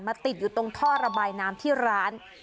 ติดอยู่ตรงท่อระบายน้ำที่ร้าน